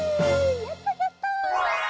やったやった！